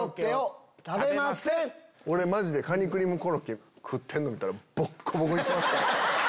俺マジでカニクリームコロッケ食ってるの見たらボッコボコにしますから。